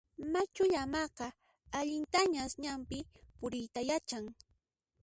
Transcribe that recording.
Machu llamaqa allintañas ñanpi puriyta yachan.